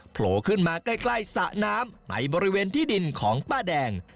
โผล่ขึ้นมาใกล้สระน้ำในบริเวณที่ดินของป้าแดง